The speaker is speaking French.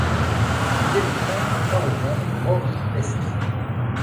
Il est le frère du talonneur Rory Best.